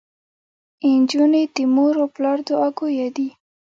انجونو د مور او پلار دوعاګويه دي.